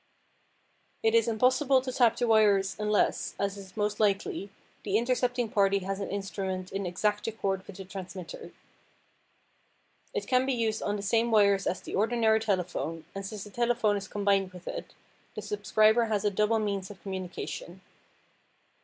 It is impossible to tap the wires unless, as is most unlikely, the intercepting party has an instrument in exact accord with the transmitter. It can be used on the same wires as the ordinary telephone, and since a telephone is combined with it, the subscriber has a double means of communication.